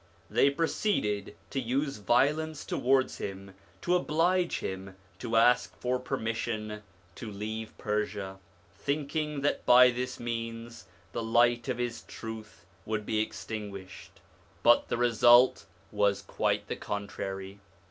They proceeded to use violence towards him to oblige him to ask for permission to leave Persia, thinking that by this means the light of his truth would be extin guished; but the result was quite the contrary.